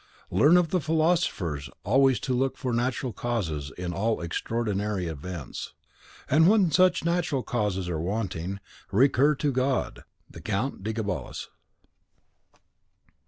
Learn of the Philosophers always to look for natural causes in all extraordinary events; and when such natural causes are wanting, recur to God. The Count de Gabalis.